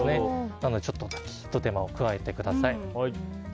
なので、ちょっとひと手間を加えてください。